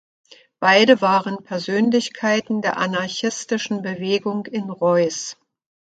Beide waren Persönlichkeiten der anarchistischen Bewegung in Reus.